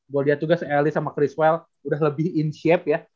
gue liat juga se eli sama chris well udah lebih in shape ya